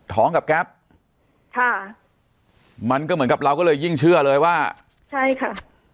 กับแก๊ปค่ะมันก็เหมือนกับเราก็เลยยิ่งเชื่อเลยว่าใช่ค่ะ